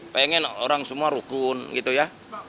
pengen orang semua rukun gitu ya